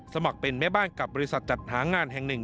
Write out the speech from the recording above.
สมัครเป็นแม่บ้านกับบริษัทจัดหางานแห่งหนึ่ง